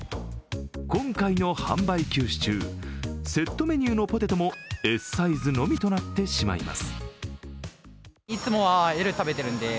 今回の販売休止中セットメニューのポテトもＳサイズのみとなってしまいます。